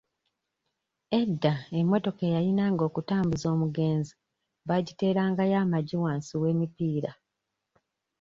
Edda emmotoka eyayinanga okutambuza omugenzi baagiterangayo amagi wansi w'emipiira.